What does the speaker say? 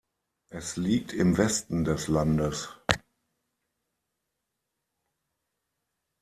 Es liegt im Westen des Landes.